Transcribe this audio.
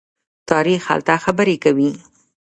تاریخ هلته خبرې کوي.